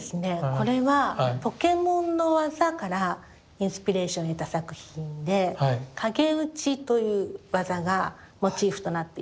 これはポケモンの技からインスピレーションを得た作品で「かげうち」という技がモチーフとなっています。